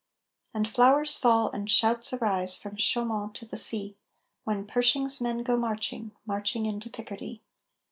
And flowers fall and shouts arise from Chaumont to the sea When Pershing's men go marching, marching into Picardy.